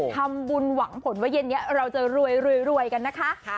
หวังผลว่าเย็นนี้เราจะรวยกันนะคะ